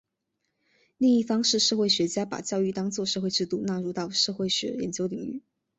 另一方是社会学家把教育当作社会制度纳入到社会学研究领域。